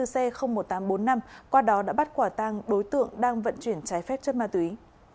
chín mươi bốn c một nghìn tám trăm bốn mươi năm qua đó đã bắt quả tăng đối tượng đang vận chuyển trái phép chất ma túy